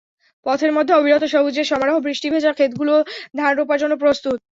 পথের মধ্যে অবিরত সবুজের সমারোহ, বৃষ্টিভেজা খেতগুলো ধান রোপার জন্য প্রস্তুত।